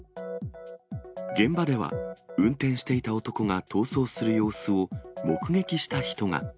現場では、運転していた男が逃走する様子を目撃した人が。